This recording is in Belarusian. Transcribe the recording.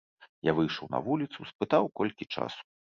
Я выйшаў на вуліцу, спытаў, колькі часу.